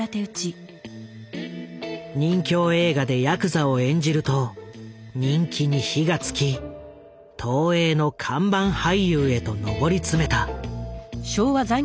任侠映画でヤクザを演じると人気に火がつき東映の看板俳優へと上り詰めた。